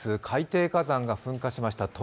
海底火山が噴火しました。